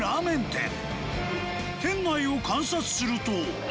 店内を観察すると